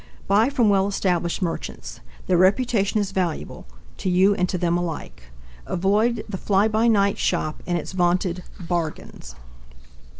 Buy from well established merchants. Their reputation is valuable, to you and to them alike. Avoid the fly by night shop and its vaunted "bargains."